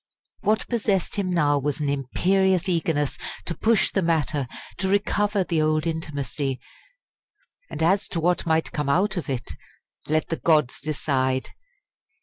What possessed him now was an imperious eagerness to push the matter, to recover the old intimacy and as to what might come out of it, let the gods decide!